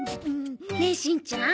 ねえしんちゃん。